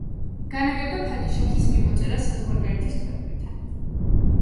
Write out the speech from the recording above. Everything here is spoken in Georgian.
განაგებდა ფადიშაჰის მიმოწერას საზღვარგარეთის ქვეყნებთან.